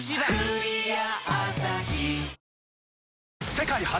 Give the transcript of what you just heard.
世界初！